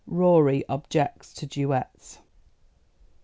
Rorie objects to Duets.